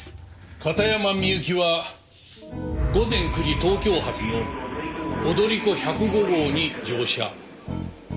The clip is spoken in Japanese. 片山みゆきは午前９時東京発の踊り子１０５号に乗車。